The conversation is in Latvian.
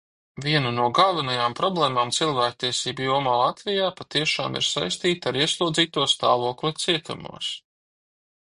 Viena no galvenajām problēmām cilvēktiesību jomā Latvijā patiešām ir saistīta ar ieslodzīto stāvokli cietumos.